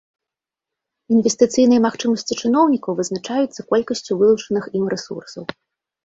Інвестыцыйныя магчымасці чыноўнікаў вызначаюцца колькасцю вылучаных ім рэсурсаў.